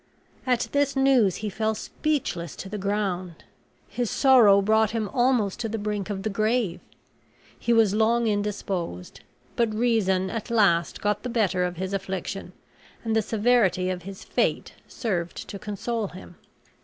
At this news he fell speechless to the ground. His sorrow brought him almost to the brink of the grave. He was long indisposed; but reason at last got the better of his affliction, and the severity of his fate served to console him.